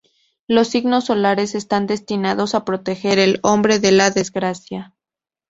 Los signos solares están destinados a proteger al hombre de la desgracia.